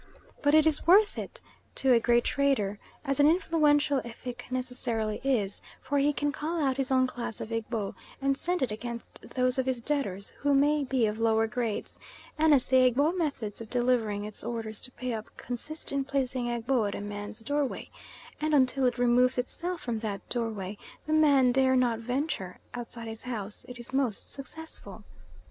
But it is worth it to a great trader, as an influential Effik necessarily is, for he can call out his own class of Egbo and send it against those of his debtors who may be of lower grades, and as the Egbo methods of delivering its orders to pay up consist in placing Egbo at a man's doorway, and until it removes itself from that doorway the man dare not venture outside his house, it is most successful.